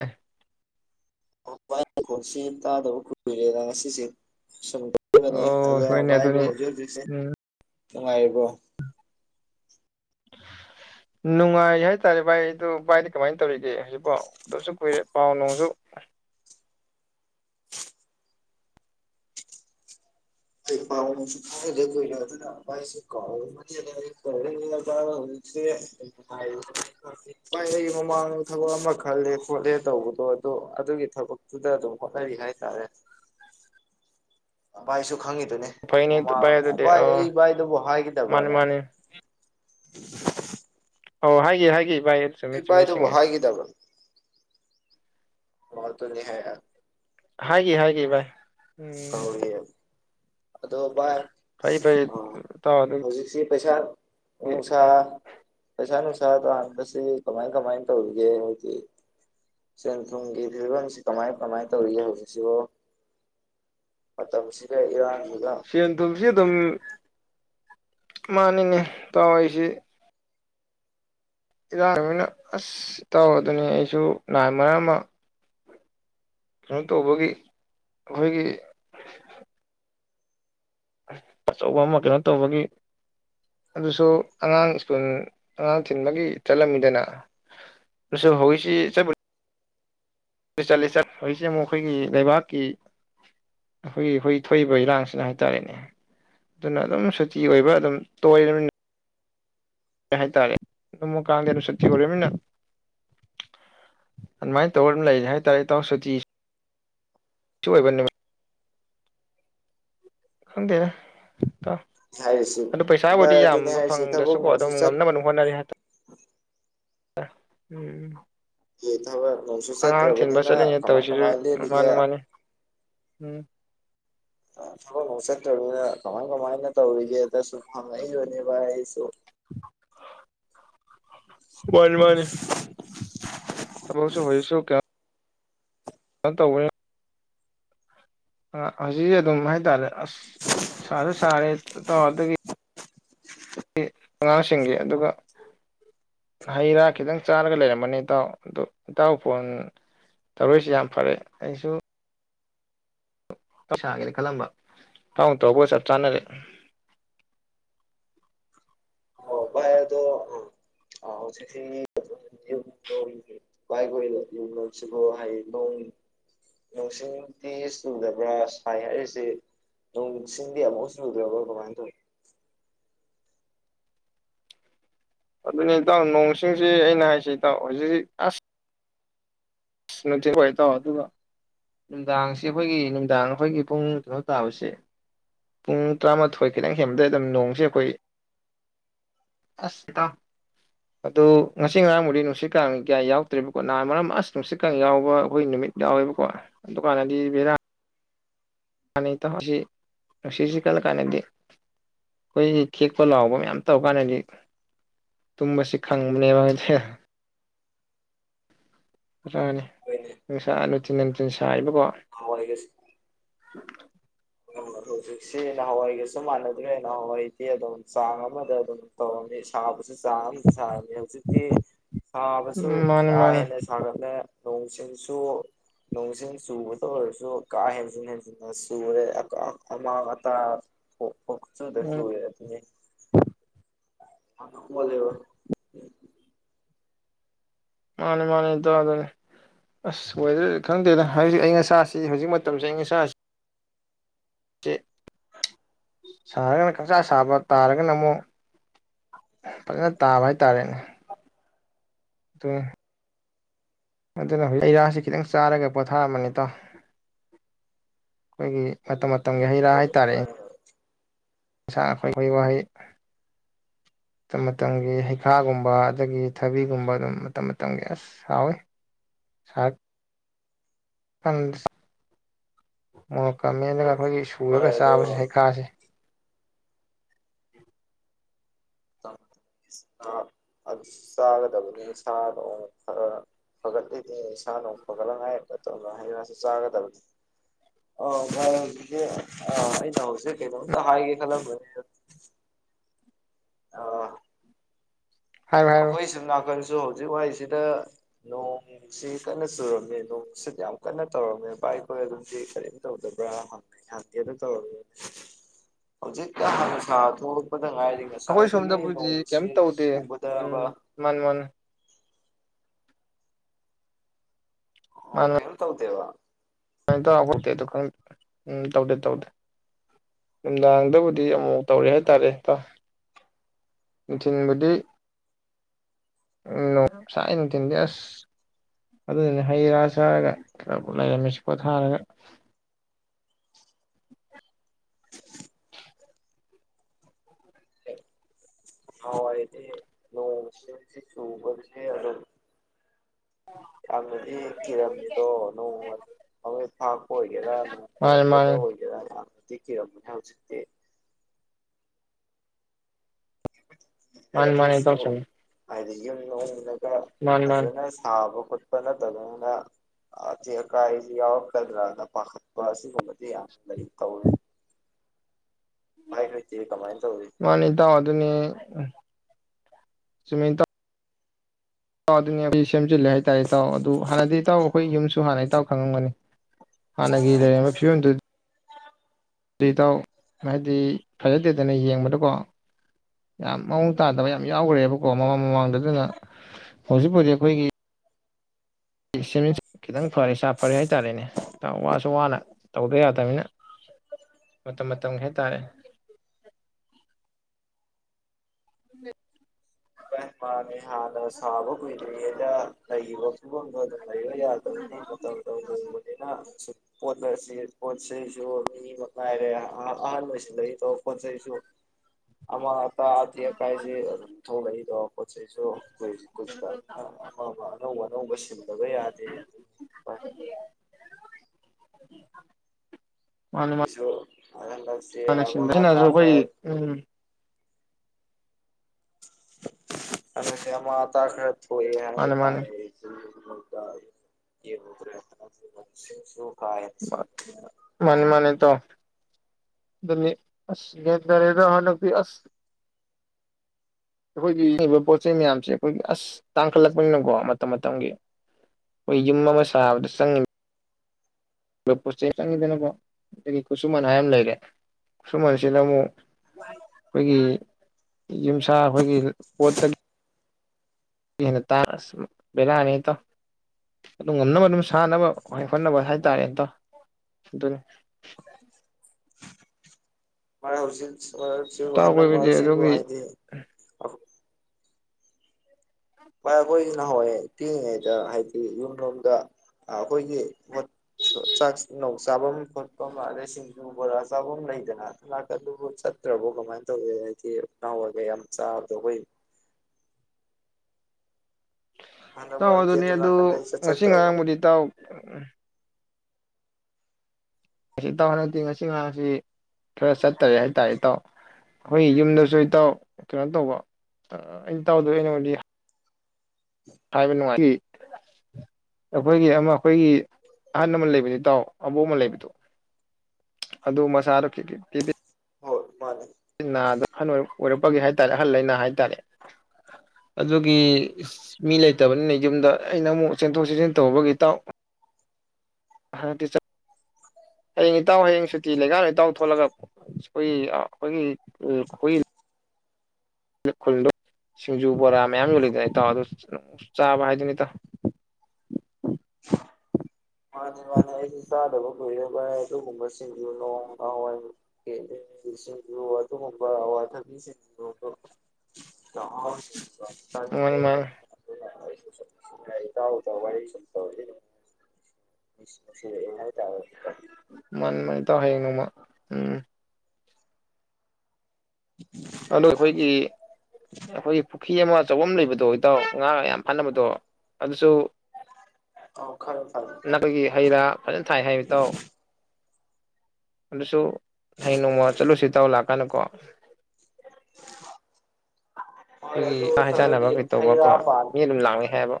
ꯑ ꯃꯣꯕꯥꯏꯜ ꯐꯣꯟꯁꯤ ꯇꯥꯗꯕ ꯀꯨꯏꯔꯦꯗ ꯉꯁꯤꯁꯦ ꯅꯦ ꯑꯣ ꯑꯗꯣ ꯍꯣꯏꯅꯦ ꯚꯥꯏꯕꯨ ꯑꯗꯨꯅꯤ ꯍꯧꯖꯤꯛ ꯍꯧꯖꯤꯛꯁꯦ ꯎꯝ ꯅꯨꯡꯉꯥꯏꯔꯤꯕꯣ ꯅꯨꯡꯉꯥꯏ ꯍꯥꯏꯇꯥꯔꯦ ꯚꯥꯏ ꯑꯗꯨ ꯚꯥꯏꯗꯤ ꯀꯃꯥꯏꯅ ꯇꯧꯔꯤꯒꯦ ꯍꯧꯖꯤꯛꯐꯥꯎ ꯑꯗꯨꯁꯨ ꯀꯨꯏꯔꯦ ꯄꯥꯎ ꯅꯨꯡꯁꯨ ꯑꯩ ꯄ ꯑꯗꯨꯁ ꯀꯥꯎ ꯀ ꯆꯦ ꯚꯥꯏ ꯑꯩ ꯃꯃꯥꯡꯗ ꯊꯕꯛ ꯑꯃ ꯈꯜꯂꯦ ꯈꯣꯠꯂꯦ ꯇꯧꯕꯗꯣ ꯑꯗꯨꯗꯣ ꯑꯗꯨꯒꯤ ꯊꯕꯛ ꯇꯨꯗ ꯑꯗꯨ ꯐꯕꯤ ꯍꯥꯏꯇꯥꯥꯔꯦ ꯑꯚꯥꯏꯁꯨ ꯈꯪꯉꯤꯗꯨꯅꯦ ꯐꯩꯅꯦ ꯃꯃꯥꯡ ꯑꯗꯨꯗꯤ ꯚꯥꯏ ꯑꯩ ꯑꯣ ꯚꯏꯗꯨꯕꯨ ꯃꯥꯅꯤ ꯍꯥꯏꯈꯤꯗꯕ꯭ꯔꯅꯦ ꯃꯥꯅꯤ [inaudible] ꯑꯧ ꯍꯥꯏꯒꯦ ꯍꯥꯏꯒꯦ ꯚꯥꯏ ꯆꯨꯝꯃꯤ ꯏ ꯆꯨꯝꯃꯤ ꯄꯥꯏꯗꯨꯕꯨ ꯅꯤꯡꯁꯤꯡꯉꯦ ꯍꯥꯏꯈꯤꯗꯕ꯭ꯔꯣ ꯍ ꯂꯦ ꯍꯥꯏꯒꯦ ꯍꯥꯏꯒ ꯚꯥꯏ ꯎꯝ ꯑꯒ ꯑꯗꯣ ꯚꯥꯏ ꯐꯩ ꯐꯩ ꯑ ꯏꯇꯥꯎ ꯑꯗꯨꯒꯤ ꯍꯧꯖꯤꯛꯁꯤ ꯄꯩꯁꯥ ꯅꯨꯡꯁꯥ ꯄꯩꯁꯥ ꯅꯨꯡꯁꯥ ꯇ ꯍꯥꯟꯕꯁꯤ ꯀꯃꯥꯏ ꯀꯃꯥꯏꯅ ꯇꯧꯔꯤꯒꯦ ꯍꯧꯖꯤꯛꯇ ꯁꯦꯟ ꯊꯨꯝꯒꯤ ꯐꯤꯕꯝꯁꯤ ꯀꯃꯥꯏ ꯀꯃꯥꯏꯅ ꯇꯧꯔꯤꯒꯦ ꯍꯧꯖꯤꯛꯁꯤꯕꯣ ꯃ ꯍꯁꯤꯒ ꯏꯔꯗ ꯌꯦꯟ ꯊꯨꯝꯁꯤ ꯑꯗꯨꯝ ꯃꯅꯤꯡꯅꯦ ꯇꯥꯎꯏꯁꯤ ꯏꯔꯥꯡꯣꯏꯅ ꯑꯁ ꯇꯧ ꯑꯗꯨꯅꯤ ꯑꯩꯁꯨ ꯅꯍꯥꯟ ꯃꯔꯝ ꯑꯃ ꯀꯩꯅꯣ ꯇꯧꯕꯒꯤ ꯑꯩꯈꯣꯏꯒꯤ ꯑꯆꯧꯕ ꯑꯃ ꯀꯩꯅꯣ ꯇꯧꯕꯒꯤ ꯑꯗꯨꯁꯨ ꯑꯉꯥꯡ ꯁ꯭ꯀꯨꯜ ꯑꯉꯥꯡ ꯊꯤꯟꯕꯒꯤ ꯆꯠꯂꯝꯃꯤꯗꯅ ꯁ ꯍꯣꯏꯁꯤ ꯆ ꯆꯁꯠꯁꯃꯨꯒꯤ ꯂꯩꯕꯥꯛꯀꯤ ꯑꯩꯈꯣꯏꯒꯤ ꯑꯩꯈꯣꯏ ꯊꯣꯛꯏꯕ ꯏꯔꯥꯡꯁꯤꯅ ꯍꯥꯏꯇꯥꯔꯦꯅꯦ ꯑꯗꯨꯅ ꯑꯗꯨꯝ ꯁꯨꯇꯤ ꯑꯣꯏꯕ ꯑꯗꯨꯝ ꯇꯣꯏꯅꯤ ꯀꯩ ꯍꯥꯏꯇꯥꯔꯦ ꯅꯃꯨꯛꯀꯥꯟꯗꯦ ꯑꯗꯨ ꯁꯊꯤ ꯑꯣꯏꯔꯃꯤꯅ ꯑꯗꯨꯃꯥꯏꯅ ꯇꯧꯔ ꯂꯩ ꯍꯥꯏ ꯇꯔꯦ ꯏꯇꯥꯎ ꯁꯇꯤ ꯅꯨꯃꯤ ꯈꯪꯗꯦꯅꯦ ꯍꯥꯏꯔꯤꯁꯤ ꯑꯗꯨ ꯄꯩꯁꯥꯕꯨꯗꯤ ꯚꯥꯏ ꯑꯗꯨꯅꯦ ꯌꯥꯝꯕ ꯍꯥꯏꯔꯤꯁꯤ ꯊꯕꯛ ꯐꯪꯗ꯭ꯔꯁꯨꯀꯣ ꯅꯨꯡꯁꯨ ꯑꯗꯨꯝ ꯆꯠ ꯉꯝꯅꯕ ꯃꯥꯅꯔꯤ ꯎꯝ ꯊꯕꯛ ꯅꯨꯡꯁꯨ ꯑꯉꯥꯡ ꯊꯤꯟꯕ ꯆꯠꯇ꯭ꯔꯕꯅꯤꯅ ꯆꯠꯂꯤꯉꯩ ꯀꯃꯥꯏ ꯇꯧꯁꯤꯁꯨ ꯀꯃꯥꯏꯅ ꯂꯦꯜꯂꯤꯒꯦ ꯃꯥꯅꯤ ꯃꯥꯅꯤ ꯎꯝ ꯊꯕꯛ ꯑꯃꯨ ꯆꯟꯠꯇꯔꯤꯅ ꯀꯃꯥꯏ ꯀꯃꯥꯏꯅ ꯇꯧꯔꯤꯒꯦꯗꯁꯨꯨꯝ ꯍꯪꯉꯛꯏꯕꯅꯦ ꯚꯥꯏ ꯑꯩꯁꯨ [inaudible] ꯋꯥꯟꯃꯅꯤ ꯊꯃꯁꯨ ꯍꯣꯏꯁꯨ ꯀꯌꯥ ꯅ ꯇꯧꯋ ꯑ ꯍꯧꯖꯤꯛ ꯑꯗꯨꯝ ꯍꯥꯏꯇꯥꯔꯦ ꯑꯁ ꯁꯥꯁꯨ ꯁꯥꯔꯦ ꯇꯧꯔꯗꯒꯤ ꯑꯉꯥꯡꯁꯤꯡꯒꯤ ꯑꯗꯨꯒ ꯍꯩ ꯔꯥ ꯈꯤꯇꯪ ꯆꯥꯔꯒ ꯂꯩꯔꯝꯕꯅꯤ ꯏꯇꯥꯎ ꯑꯗꯨ ꯏꯇꯥꯎ ꯐꯣꯟ ꯇꯧꯔꯛꯏꯁꯤ ꯌꯥꯝ ꯐꯔꯦ ꯑꯩꯁꯨ ꯁꯥꯒꯦꯅ ꯈꯜꯂꯝꯕ ꯏꯇꯥ ꯎꯅ ꯇꯧꯔꯛꯄꯒꯥ ꯆꯞ ꯆꯥꯅꯔꯦ ꯑꯣ ꯚꯥꯏ ꯑꯗꯣ ꯑꯥ ꯍꯧꯖꯤꯛꯁꯤ ꯌꯨꯝ ꯂꯣꯝꯒꯤ [unintelligible] ꯍꯥꯏꯌꯦ ꯅꯣꯡ ꯅꯨꯡꯁꯤꯡꯇꯤ ꯆꯨꯗꯕ꯭ꯔꯥ ꯁꯥꯏ ꯍꯥꯏꯔꯤꯁꯦ ꯅꯣꯡ ꯆꯤꯡꯗꯤ ꯑꯃꯨꯛ ꯐꯧ ꯆꯨꯗꯔ꯭ꯕꯣ ꯀꯃꯥꯏꯅ ꯇꯧꯏ ꯑꯗꯨꯅꯤ ꯏꯇꯥꯎ ꯅꯣꯡꯆꯤꯡꯁꯤ ꯑꯩꯅ ꯍꯥꯏꯁꯤ ꯏꯇꯥꯎ ꯍꯨꯖꯤꯖꯤꯛ ꯑꯁ [unintelligible] ꯏꯇꯥꯎ ꯑꯗꯨꯒ ꯅꯨꯡꯗꯥꯡꯁꯤ ꯑꯈꯣꯏꯒꯤ ꯅꯨꯡꯗꯥꯡ ꯑꯈꯣꯏꯒꯤ ꯄꯨꯡ ꯀꯩꯅꯣ ꯇꯥꯕꯁꯦ ꯄꯨꯡ ꯇꯔꯥꯃꯥꯊꯣꯏ ꯈꯤꯇꯪ ꯍꯦꯟꯕꯗꯩ ꯑꯗꯨꯝ ꯅꯣꯡꯁꯦ ꯑꯈꯣꯏ ꯑꯁ ꯇꯥ ꯑꯗꯣ ꯉꯁꯤ ꯉꯔꯥꯡꯕꯨꯨꯗꯤ ꯅꯨꯡꯁꯤꯠꯀꯥꯡ ꯀꯌꯥ ꯌꯥꯎꯗ꯭ꯔꯦꯕꯀꯣ ꯅꯍꯥꯟ ꯃꯔꯛ ꯑꯃ ꯑꯁ ꯅꯨꯡꯁꯤꯠꯀꯥꯡ ꯌꯥꯎꯕ ꯑꯈꯣꯏ ꯅꯨꯃꯤꯠ ꯌꯥꯎꯋꯦꯕꯀꯣ ꯑꯗꯨꯀꯥꯟꯅꯗꯤ ꯕꯦꯔꯥ ꯅꯤ ꯏꯇꯥꯎ ꯑꯁꯤ ꯅꯨꯡꯁꯤꯠ ꯁꯤ ꯀꯜꯂꯀꯥꯟꯗꯗꯤ ꯈꯣꯏ ꯈꯦꯛꯄ ꯂꯥꯎꯕ ꯃꯌꯥꯝ ꯇꯧ ꯀꯥꯟꯗꯗꯤ ꯇꯨꯝꯕꯁꯤ ꯈꯪꯕꯅꯦꯕ ꯍꯥꯏꯗꯤ ꯔꯅꯤ ꯍꯣꯏꯅꯦ ꯅꯨꯡꯁꯥ ꯅꯨꯡꯊꯤꯟ ꯅꯨꯡꯊꯤꯟ ꯁꯥꯏꯕꯀꯣ ꯍꯥꯋꯥꯏꯒꯁꯤ ꯑꯣ ꯍꯧꯖꯤꯛꯁꯤ ꯅꯍꯥꯟꯋꯥꯏꯒꯁꯨ ꯃꯥꯟꯅꯗ꯭ꯔꯦ ꯅꯍꯥꯋꯥꯏꯗꯤ ꯑꯗꯨꯝ ꯆꯥꯡ ꯑꯃꯗ ꯑꯗꯨꯝ ꯇꯧꯔꯝꯅꯤ ꯁꯥꯕꯁꯨ ꯆꯥꯡ ꯑꯝꯗ ꯁꯥꯔꯝꯅꯤ ꯍꯧꯖꯤꯛꯇꯤ ꯁꯥꯕꯁꯨ ꯎꯝ ꯃꯥꯅꯤ ꯃꯥꯅꯤ ꯀꯥꯍꯦꯟꯅꯥ ꯁꯥꯒꯠꯂꯦ ꯅꯣꯡ ꯆꯤꯡꯁꯨ ꯅꯣꯡ ꯆꯤꯡ ꯆꯨꯕꯗ ꯑꯣꯏꯔꯁꯨ ꯀꯥ ꯍꯦꯟꯖꯤꯟ ꯍꯦꯟꯖꯤꯟꯅ ꯆꯨꯔꯦ ꯑꯀꯥꯛ ꯑꯃꯥꯡ ꯑꯇꯥ ꯊꯣꯛꯄ ꯄꯪꯆꯨꯗ ꯎꯝ ꯆꯨꯏꯌꯦ ꯑꯗꯨ ꯅꯦ ꯑꯣꯜꯂꯦꯕꯥ ꯃꯥꯅꯦ ꯃꯥꯅꯦ ꯏꯇꯥꯎ ꯑꯗꯨꯅꯦ ꯑꯁ ꯋꯦꯗꯔꯖꯤ ꯈꯪꯗꯦꯗ ꯍꯧꯖꯤꯛ ꯑꯌꯤꯡ ꯑꯁꯥꯁꯤ ꯍꯧꯖꯤꯛ ꯃꯇꯝꯖꯤ ꯑꯌꯤꯡ ꯑꯁꯥꯁꯤ ꯁꯥꯔꯒꯅ ꯈꯪꯁꯥ ꯁꯥꯕ ꯇꯥꯔꯒꯅ ꯑꯃꯨꯛ ꯐꯖꯅ ꯇꯥꯕ ꯍꯥꯏꯇꯥꯔꯦꯅꯦ ꯇꯨꯡ ꯑꯗꯨꯅ ꯍꯧ ꯍꯩꯔꯥꯁꯦ ꯈꯤꯇꯪ ꯆꯥꯔꯒ ꯄꯣꯊꯥꯔꯝꯕꯅꯤ ꯢꯇꯥꯎ ꯈꯣꯏꯒꯤ ꯃꯇꯝ ꯃꯇꯝꯒꯤ ꯍꯩ ꯔꯥ ꯍꯥꯏꯇꯥꯔꯦ ꯁꯥ [unintelligible] ꯋꯥꯍꯩ ꯃꯇꯝ ꯃꯇꯝꯒꯤ ꯍꯩꯈꯥꯒꯨꯝꯕ ꯑꯗꯒꯤ ꯊꯕꯤꯒꯨꯝꯕ ꯑꯗꯨꯝ ꯃꯇꯝ ꯃꯇꯝꯒꯤ ꯑꯁ ꯍꯥꯥꯎꯋꯤ ꯁꯥꯛ ꯃꯣꯔꯣꯛꯀ ꯃꯦꯠꯂꯒ ꯑꯈꯣꯏꯒꯤ ꯚꯥꯏ ꯁꯨꯔꯒ ꯑꯗꯣ ꯆꯥꯕꯁꯦ ꯍꯩꯈꯥꯁꯦ [unintelligible] ꯑꯗꯨꯁꯨ ꯆꯥꯒꯗꯕꯅꯤ ꯁꯥ ꯅꯣꯡ ꯈꯔ ꯐꯒꯠꯂꯤꯅꯦ ꯏꯁꯥ ꯅꯨꯡ ꯐꯒꯠꯂꯉꯥꯏ ꯃꯇꯝꯗ ꯍꯩ ꯔꯁꯨ ꯆꯥꯒꯗꯕꯅꯤ ꯑ ꯚꯥꯏ ꯍꯧꯖꯤꯛꯁꯤ ꯑꯥ ꯑꯩꯅ ꯍꯧꯖꯤꯛ ꯀꯩꯩꯅꯣꯝꯇ ꯍꯥꯏꯒꯦ ꯈꯜꯂꯝꯕꯅꯦ ꯑ ꯍꯥꯏꯔꯣ ꯍꯥꯏꯔꯣ ꯑꯈꯣꯏ ꯁꯤꯝ ꯅꯥꯀꯟꯁꯨ ꯍꯧꯖꯤꯛ ꯋꯥꯏꯁꯤꯗ ꯅꯣꯡ ꯁꯤ ꯀꯟꯅ ꯆꯨꯔꯝꯃꯦ ꯅꯣꯡ ꯁꯤꯠ ꯌꯥꯝ ꯀꯟꯅ ꯇꯧꯔꯝꯃꯦ ꯚꯥꯏꯈꯣꯏ ꯑꯗꯣꯝꯗꯤ ꯀꯔꯤꯝ ꯇꯧꯗꯕ꯭ꯔꯥ ꯍꯪꯒꯦꯅ ꯇꯧꯔꯛ ꯑꯝꯃꯤ ꯍꯧꯖꯤꯛꯇ ꯍꯟꯅꯥꯁꯥ ꯊꯣꯑꯝꯃꯤ ꯄꯗ ꯉꯥꯏꯔꯤ ꯑꯩꯈꯣꯏ ꯉꯁꯥꯏꯗꯒꯤ ꯁꯣꯝꯗꯕꯨꯗꯤ ꯅꯣꯡꯁꯤ ꯆꯨꯕꯗꯕ ꯃꯅꯦ ꯃꯅꯤ ꯑꯣ ꯃꯥꯟ ꯀꯩꯏꯝ ꯇꯧꯗꯦꯕ [unintelligible] ꯎꯝ ꯇꯧꯗꯦ ꯇꯧꯗꯦ ꯅꯨꯡꯗꯥꯡꯗꯕꯨꯗꯤ ꯑꯃꯨꯃꯨꯛ ꯇꯧꯔꯦ ꯍꯥꯏꯇꯥꯔꯦ ꯃꯤ ꯇꯤꯟꯕꯗꯤ ꯎꯝ ꯆꯥꯏꯅ ꯇꯤꯟꯗꯤꯁ ꯑꯗꯨꯗꯨꯅꯤ ꯍꯩ ꯔꯥ ꯆꯥꯔꯒ ꯈꯞ ꯂꯩꯔꯝꯃꯤꯁꯤ ꯄꯣꯊꯥꯔꯒ [inaudible] ꯗꯤ ꯅꯣ ꯆꯨꯕꯔꯁꯤ ꯑꯗꯣ ꯍꯪꯅꯗꯤ ꯀꯤꯔꯝꯃꯤꯗꯣ ꯅꯣꯡꯃ ꯍꯈꯣꯏ ꯐꯥꯛꯄ ꯑꯣꯏꯒꯦꯔꯥ ꯅ ꯃꯥꯅꯤ ꯈꯣꯡꯕꯗ ꯃꯥꯅꯤ ꯑꯣꯏꯒꯦꯔꯥ ꯌꯥꯝꯅꯗꯤꯤ ꯀꯤꯔꯝꯕꯅꯦ ꯍꯧꯖꯤꯛꯇꯤ ꯃꯥꯅꯤ ꯃꯥꯅꯤ ꯑꯗꯨꯑꯣꯏꯁꯨ ꯏꯇꯥꯎ ꯆꯨꯝꯃꯤ ꯍꯥꯏꯗꯤ ꯌꯨꯝ ꯂ ꯃꯥꯅꯤ ꯃꯥꯅꯤ ꯐꯖꯅ ꯁꯥꯕ ꯈꯣꯠꯄ ꯅꯠꯇꯕꯅꯤꯅ ꯑꯇꯦꯛ ꯑꯀꯥꯏꯁꯤ ꯌꯥꯎꯔꯛꯀꯗ꯭ꯔꯅ ꯄꯥꯈꯠꯄ ꯑꯁꯤꯒꯨꯝꯕꯗꯤ ꯌꯥꯝ ꯂꯩ ꯇꯧꯋꯦ ꯕꯥꯏ ꯅꯣꯏꯆꯦ ꯀꯃꯥꯏꯅ ꯇꯧꯔꯤ ꯃꯥꯅꯤ ꯏꯇꯥꯎ ꯑꯗꯨꯅꯤ ꯆꯨꯃꯤ ꯇꯥꯎ ꯇꯥꯎ ꯑꯗꯨꯅꯦ ꯁꯦꯝꯖꯤꯜꯂꯦ ꯍꯥꯏꯇꯥꯔꯦ ꯇꯥꯎ ꯑꯗꯨ ꯍꯥꯟꯅꯗꯤ ꯇꯥꯎ ꯑꯩꯈꯣꯏ ꯌꯨꯝꯁꯨ ꯍꯥꯟꯅꯩ ꯏꯇꯥꯎ ꯈꯪꯉꯝꯒꯅꯤ ꯍꯅꯒꯤꯔꯦ ꯐꯤꯕꯝ ꯗꯨꯗꯤ ꯏꯇꯥꯎ ꯍꯥꯏꯗꯤ ꯐꯖꯗꯦꯗꯅ ꯌꯦꯡꯕꯗꯀꯣ ꯌꯥꯝ ꯃꯑꯣꯡ ꯇꯥꯗꯕ ꯌꯥꯝ ꯌꯥꯎꯈ꯭ꯔꯦꯕꯀꯣ ꯃꯃꯥꯡ ꯃꯃꯥꯡꯗ ꯑꯗꯨꯅ ꯍꯧꯖꯤꯛꯄꯨꯗꯤ ꯑꯩꯈꯣꯏꯒꯤ ꯁꯦꯕꯤꯡꯁ ꯈꯤꯇꯪ ꯐꯔꯦ ꯁꯥ ꯐꯔꯦ ꯍꯥꯏꯇꯥꯔꯦꯅꯦ ꯋꯥꯁꯨ ꯋꯥꯅ ꯇꯧꯗ ꯌꯥꯗꯅꯤꯅ ꯃꯇꯝ ꯃꯇꯝꯒꯤ ꯍꯥꯏꯇꯥꯔꯦ ꯎꯝ ꯃꯅꯤ ꯍꯥꯥꯟꯅꯁ ꯁꯕ ꯀꯨꯏꯗ꯭ꯔꯤꯉꯩꯗ ꯂꯩꯒꯤꯕ ꯐꯤꯚꯝꯗꯣ ꯑꯗꯨꯝ ꯂꯩꯕ ꯌꯥꯗꯝꯅꯤꯅ ꯃꯇꯝ ꯂꯨꯍꯣꯡꯕꯅꯤꯅ ꯄꯣꯠꯂꯁꯤ ꯄꯣꯠ ꯆꯩꯁꯨ ꯅꯤꯡꯕ ꯀꯥꯏꯔꯦ ꯑ ꯑꯍꯥꯟꯕ ꯁꯤꯗꯩꯗꯣ ꯄꯣꯠꯆꯩꯁꯨ ꯑꯃꯥꯡ ꯑꯇꯥ ꯑꯇꯦꯛ ꯑꯀꯥꯏꯁꯦ ꯑꯗꯨꯝ ꯊꯣꯛꯂꯛꯏꯗꯣ ꯄꯣꯠ ꯆꯩꯁꯨ ꯑꯩꯈꯣꯏ ꯇꯥꯞꯅ ꯑꯐꯕ ꯑꯅꯧ ꯑꯅꯧꯕ ꯁꯤꯟꯗꯕ ꯌꯥꯗꯦꯗ ꯃꯥꯅꯦ ꯃꯥ ꯖꯨ [unintelligible] ꯍꯥꯅ ꯁꯦꯝꯖꯜꯂꯁꯨ ꯈꯣꯏ ꯑꯗꯨꯝꯗꯤ ꯑꯃꯥꯡ ꯑꯇꯥ ꯈ ꯊꯣꯛꯑꯦ ꯍꯥꯏꯕ ꯃꯥꯅꯦ ꯃꯥꯅꯦ ꯇꯥꯏ [unintelligible] [inaudible] ꯃꯥꯅꯤ ꯃꯥꯅꯦ ꯇꯥꯎ ꯑꯗꯨꯅꯤ ꯑꯁ ꯌꯦ ꯇꯔꯦꯗ ꯍꯟꯗꯛꯇꯤ ꯑꯁ ꯑꯩꯈꯣꯏꯒꯤ ꯌꯦꯡꯉꯤꯕ ꯄꯣꯠ ꯆꯩ ꯃꯌꯥꯝꯁꯦ ꯑꯩꯈꯣꯏꯒꯤ ꯑꯁ ꯇꯥꯡꯈꯠꯂꯛꯄꯅꯤꯅꯀꯣ ꯃꯇꯝ ꯃꯇꯝꯒꯤ ꯑꯩꯈꯣꯏ ꯌꯨꯝ ꯑꯃ ꯁꯥꯕꯗ ꯆꯪꯉꯤꯕ ꯄꯣꯠ ꯆꯩ ꯆꯪꯉꯤꯗꯅꯀꯣ ꯑꯗꯒꯤ ꯈꯨꯠꯁꯨꯃꯟ ꯍꯥꯏ ꯑꯃ ꯂꯩꯔꯦ ꯈꯨꯠꯁꯨꯃꯟꯁꯤꯗ ꯑꯃꯨꯛ ꯑꯩꯈꯣꯏꯒꯤ ꯌꯨꯝꯁꯥ ꯑꯩꯈꯣꯏꯒꯤ ꯄꯣꯠꯇ ꯀꯦꯅ ꯇ ꯕꯦꯔꯥꯅꯤ ꯇꯥꯎ ꯑꯗꯨꯝ ꯉꯝꯅꯕ ꯑꯗꯨꯝ ꯁꯥꯟꯅꯕ ꯍ ꯍꯣꯠꯅꯕ ꯍꯥꯏꯇꯥꯔꯦ ꯇꯥꯎ ꯑꯗꯨꯅꯤ ꯏꯇꯥꯎ ꯑꯩꯈꯣꯏꯕꯨꯗꯤ ꯑꯗꯨꯒꯤ [unintelligible] ꯕꯥꯏ ꯑꯩꯈꯣꯏ ꯅꯍꯥꯋꯥꯏ ꯄꯤꯛꯏꯉꯩꯗ ꯍꯥꯏꯗꯤ ꯌꯨꯝꯂꯣꯝꯗ ꯑ ꯑꯩꯈꯣꯏꯒꯤ ꯆꯥꯛꯅꯧ ꯆꯥꯐꯝ ꯈꯣꯠꯄ ꯑꯗꯩꯁꯤꯡ ꯕꯣꯔꯥ ꯆꯥꯕꯝ ꯂꯩꯗꯅ ꯂꯥꯛ ꯑꯗꯨꯕꯨ ꯆꯠꯇ꯭ꯔꯕꯣ ꯀꯃꯥꯏꯅ ꯇꯧ ꯅꯍꯥꯋꯥꯏꯒ ꯌꯥꯝ ꯆꯥꯕꯗꯣ ꯑꯩꯈꯣꯏ ꯍꯟꯗꯛ ꯇꯥꯎ ꯃꯔꯛꯇꯤ ꯑꯗꯨꯅꯦ ꯑꯗꯨꯝ ꯑꯗꯨ ꯅꯥꯀꯟꯗ ꯏꯆꯠ ꯉꯁꯤ ꯆꯠꯇ꯭ꯔꯕꯣ ꯉꯔꯥꯡꯕꯨꯗꯤ ꯇꯥꯎ ꯎꯝ ꯏꯇꯥꯎ ꯍꯟꯗꯛꯇꯤ ꯉꯁꯤ ꯉꯔꯥꯡꯁꯤ ꯈꯔ ꯆꯠꯇꯔꯦ ꯍꯥꯏꯇꯥꯔꯦ ꯏꯇꯥꯎ ꯑꯩꯈꯣꯏ ꯌꯨꯝꯗꯁꯨ ꯏꯇꯥꯎ ꯀꯩꯅꯣ ꯇꯧꯕ ꯑꯩ ꯏꯇꯥꯎꯗꯧꯅꯗꯤ ꯍꯥꯏꯕꯅꯨꯡ ꯑꯩꯈꯣꯏꯒꯤ ꯑꯃ ꯑꯩꯈꯣꯏꯒꯤ ꯑꯍꯜꯃꯟ ꯂꯩꯕꯗꯤ ꯇꯥꯎ ꯑꯕꯣꯛ ꯑꯃ ꯂꯩꯕꯗꯣ ꯑꯗꯨ ꯃꯁꯥꯗꯣ ꯈꯤꯈꯤ ꯄꯤꯠ ꯍꯣꯏ ꯃꯥꯅꯦ ꯅꯥꯗꯣ ꯑꯍꯜ ꯑꯣꯏꯔꯛꯄꯒꯤ ꯍꯥꯏꯇꯥꯔꯦ ꯑꯍꯜ ꯂꯩꯅꯥ ꯍꯥꯏꯇꯥꯔꯦ ꯑꯗꯨꯒꯤ ꯃꯤ ꯂꯩꯇꯕꯅꯤꯅ ꯌꯨꯝꯗ ꯑꯩꯅ ꯑꯃꯨꯛ ꯆꯦꯟꯊꯣꯛ ꯆꯦꯟꯁꯤꯟ ꯇꯧꯕ ꯏꯇꯥꯎ ꯍꯗꯛꯇꯤ ꯆꯥ ꯍꯌꯦꯡ ꯏꯇꯥꯎ ꯍꯌꯦꯡ ꯁꯨꯇꯤ ꯂꯩꯀꯥꯟ ꯏꯇꯥꯎ ꯊꯣꯛꯂꯒ ꯑꯩꯈꯣꯏ ꯑꯩꯈꯣꯏꯒꯤ ꯑꯩꯈ ꯈꯨꯜꯗꯣ ꯁꯤꯡꯖꯨ ꯕꯣꯔꯥ ꯃꯌꯥꯝ ꯌꯣꯜꯂꯤꯗꯅꯇꯥꯎ ꯑ ꯆꯥꯕ ꯍꯥꯏꯗꯨꯅꯤꯇꯥꯎ ꯃꯥꯅꯦ ꯃꯥꯅꯦ ꯑꯩꯁꯨ ꯆꯥꯗꯕ ꯀꯨꯏꯔꯕ ꯑꯗꯨꯒꯨꯝꯕꯁꯤꯡꯗꯨ ꯅꯣꯡꯏ [unintelligible] ꯁꯤꯡꯖꯨ ꯑꯗꯨꯒꯨꯝꯕ ꯑꯋꯥꯊꯥꯕꯤ ꯁꯤꯡꯖꯨ ꯃꯥꯅꯤ ꯃꯥꯅꯤ [unintelligible] [unintelligible] [inaudible] ꯅꯨ ꯅꯨꯡꯁꯤꯔꯛꯑꯦ ꯍꯥꯏ ꯇꯥꯔꯦ ꯃꯥꯅꯤ ꯃꯅꯤ ꯇꯥꯎ ꯍꯌꯦꯡꯅꯣꯡꯃ ꯎꯝ ꯑꯗꯨ ꯑꯩꯈꯣꯏꯒꯤ ꯑꯩꯈꯣꯏꯒꯤ ꯄꯨꯈ꯭ꯔꯤ ꯑꯃ ꯑꯆꯧꯕ ꯑꯃ ꯂꯩꯕꯗꯣ ꯏꯇꯥꯎ ꯉꯥꯒ ꯌꯥꯝ ꯐꯥꯅꯕꯗꯣ ꯑꯗꯨꯁꯨ ꯑꯣ [unintelligible] ꯅꯥꯀꯜꯒꯤ ꯍꯩ ꯔꯥ ꯐꯖꯅ ꯊꯥꯏ ꯍꯥꯏꯕ ꯏꯇꯥꯎ ꯑꯗꯨꯁꯨ ꯍꯌꯦꯡ ꯅꯣꯡꯃ ꯆꯠꯂꯨꯁꯤ ꯏꯇꯥꯎ ꯂꯥꯛꯀꯥꯟꯗꯀꯣ ꯍꯣꯏ ꯑꯩꯈꯣꯏꯒꯤ ꯑꯗꯨ [unintelligible] ꯍꯩ ꯆꯠꯂꯗꯤ ꯆꯥꯅꯕ ꯀꯩꯇꯧꯕ ꯍꯩ ꯀꯣ ꯔꯥ ꯄꯥꯟ ꯃꯤ ꯑꯗꯨꯝ ꯂꯥꯛꯅꯩ ꯍꯥꯏꯌꯦꯕ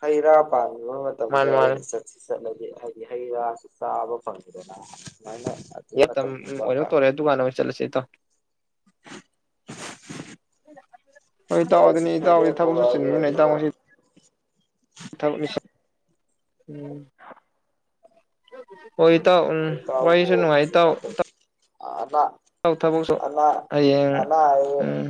ꯍꯩ ꯔꯥ ꯄꯥꯟꯕ ꯃꯇꯝꯗ ꯃꯥꯅꯦ ꯃꯥꯅꯦ ꯑꯣꯏꯅ ꯆꯠ ꯁꯤ ꯆꯠꯂꯗꯤ ꯍꯥꯏꯗꯤ ꯍꯩ ꯔꯥꯁꯨ ꯆꯥꯕ ꯐꯪꯉꯤꯗꯅ ꯁꯨꯃꯥꯏꯅ ꯑꯗꯨ [unintelligible] ꯇꯝ ꯃꯇꯝꯒꯨꯝꯕ ꯑꯣꯏꯔꯛ ꯈꯔ ꯇꯧꯔꯦ ꯗꯨꯀꯥꯟꯗ ꯑꯣꯏꯅ ꯆꯠꯂꯁꯤ ꯏꯇꯥꯎ ꯍꯣꯏ ꯏꯇꯥꯎ ꯑꯩꯁꯨ ꯑꯗꯨꯅꯤ ꯁꯣꯏꯗꯅ ꯏꯇꯥꯎꯗꯤ ꯊꯕꯛꯁꯨ ꯊꯣꯛꯂꯛꯑꯒꯦ ꯆꯤꯟꯕꯅꯤꯅ ꯏꯇꯥꯎ ꯑꯗꯨꯒ ꯉꯁꯤ [unintelligible] ꯎꯝ ꯍꯣꯏ ꯏꯇꯥꯎ ꯎꯝ ꯈꯣꯏ ꯏꯇꯥꯎꯕꯨ ꯋꯥꯔꯤꯁꯨ ꯅꯨꯡꯉꯥꯏ ꯏꯇꯥꯎ [unintelligible] ꯑꯥꯗ ꯏꯇꯥꯎ ꯊꯕꯛꯁꯨ ꯑꯅꯥ ꯍꯌꯦꯡ ꯑꯅꯥ ꯑꯌꯦꯛ ꯎꯝ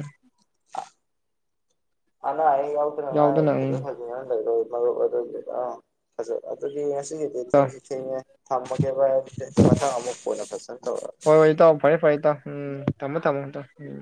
ꯑꯅꯥ ꯑꯌꯦꯛ ꯌꯥꯎꯗ꯭ꯔ ꯌꯥꯎꯗꯅ [unintelligible] ꯎꯝ ꯐꯖ ꯐ ꯅ ꯂꯩꯔꯣ ꯃꯔꯨꯞ ꯑꯗꯨꯗꯤ ꯑꯥ ꯐꯖ ꯑꯗꯨꯗꯤ ꯉꯁꯤꯒꯤꯗꯤ ꯏꯇꯥꯎ ꯊꯦꯡꯁꯨ ꯊꯦꯡꯉꯦ ꯊꯝꯃꯒꯦ ꯚꯥꯏ ꯑꯗꯨꯗꯤ ꯃꯊꯪ ꯑꯃꯛ ꯀꯣꯟꯅ ꯐꯖꯅ ꯇꯧꯔꯛ ꯍꯣꯏ ꯍꯣꯏ ꯏꯇꯥꯎ ꯐꯔꯦ ꯐꯔꯦ ꯏꯇꯥꯎ ꯎꯝ ꯊꯝꯃꯣ ꯊꯝꯃꯣ ꯇꯥ ꯎꯝ